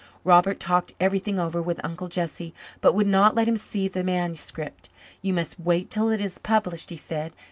Robert talked everything over with Uncle Jesse but would not let him see the manuscript. "You must wait till it is published," he said.